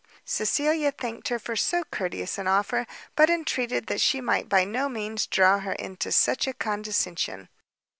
Cecilia thanked her for so courteous an offer, but entreated that she might by no means draw her into such a condescension.